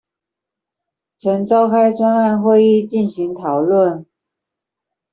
曾召開專案會議進行討論